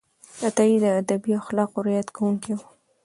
عطایي د ادبي اخلاقو رعایت کوونکی و.